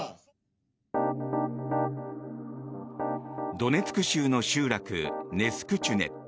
ドネツク州の集落ネスクチュネ。